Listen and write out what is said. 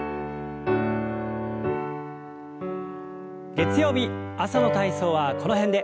月曜日朝の体操はこの辺で。